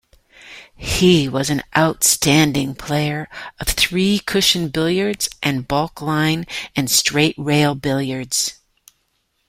He was an outstanding player of three-cushion billiards and balkline and straight rail billiards.